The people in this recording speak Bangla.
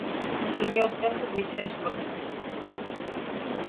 তিনি অত্যন্ত বিশ্বাস করতেন।